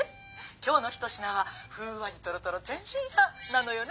今日の一品はふんわりとろとろ天津飯なのよね？